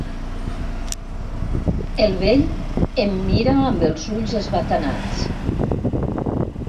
El vell em mira amb els ulls esbatanats.